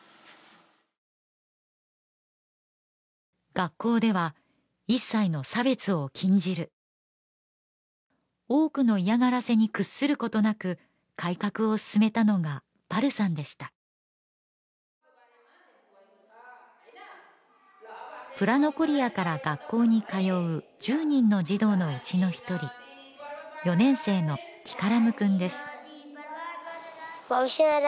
学校では一切の差別を禁じる多くの嫌がらせに屈することなく改革を進めたのがバルさんでしたプラノコリアから学校に通う１０人の児童のうちの一人４年生のティカラムくんです